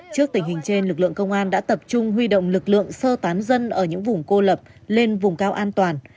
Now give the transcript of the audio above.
trước tình hình trên lực lượng công an đã tập trung huy động lực lượng sơ tán dân ở những vùng cô lập lên vùng cao an toàn